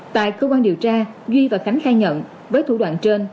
tại cơ quan điều tra duy và khánh khai nhận với thủ đoạn trên